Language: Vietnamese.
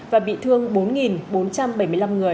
và bị thương bốn bốn trăm bảy mươi năm người